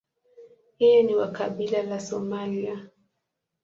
Yeye ni wa kabila la Somalia.